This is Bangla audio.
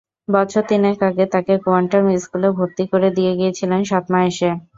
বছর তিনেক আগে তাকে কোয়ান্টাম স্কুলে ভর্তি করে দিয়ে গিয়েছিলেন সৎমা এসে।